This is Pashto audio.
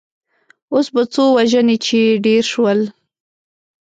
اوس به څو وژنې چې ډېر شول.